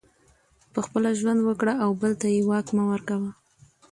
پخپله ژوند وکړه او بل ته یې واک مه ورکوه